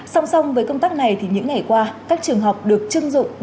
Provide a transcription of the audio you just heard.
song song với công tác này thì những ngày qua các trường học được chưng dụng